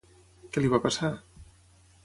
Què li va passar?